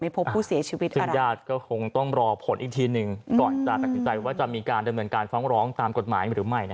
ให้ผู้อื่นถึงแก่ความตาย